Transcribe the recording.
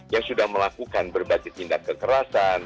yang sudah melakukan berbagai tindak kekerasan